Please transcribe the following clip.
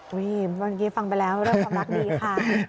เมื่อกี้ฟังไปแล้วเรื่องความรักดีค่ะ